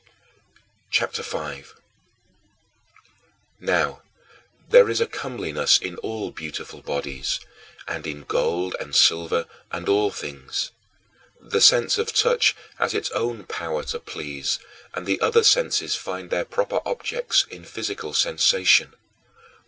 CHAPTER V 10. Now there is a comeliness in all beautiful bodies, and in gold and silver and all things. The sense of touch has its own power to please and the other senses find their proper objects in physical sensation.